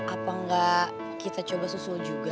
apa enggak kita coba susul juga